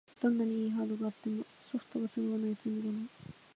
どんなに良いハードがあってもソフトがそろわないと意味がない